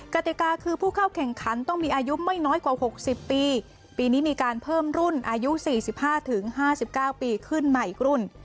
กติกาคือผู้เข้าแข่งขันต้องมีอายุไม่น้อยกว่า๖๐ปีปีนี้มีการเพิ่มรุ่นอายุ๔๕๕๙ปีขึ้นมาอีกรุ่น